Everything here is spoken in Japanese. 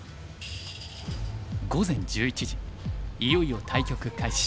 午前１１時いよいよ対局開始。